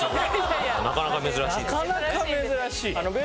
なかなか珍しい。